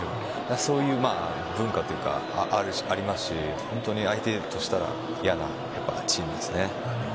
そういう文化というかありますし相手としたら嫌なチームですね。